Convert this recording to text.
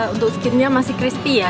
untuk skimnya masih crispy ya